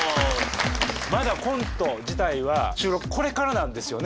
まだコント自体は収録これからなんですよね。